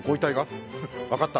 わかった。